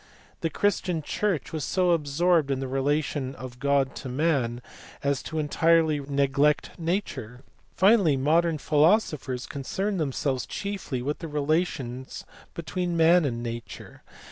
The Christian Church was so absorbed in the relation of God to Man as to entirely neglect Nature. Finally modern philosophers concern themselves chiefly with the relations between Man and Nature.